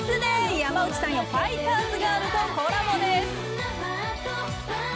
山内さんやファイターズガールとコラボです！